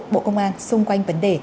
bộ công an xung quanh vấn đề